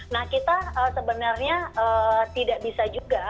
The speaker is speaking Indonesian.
nah kita sebenarnya tidak bisa juga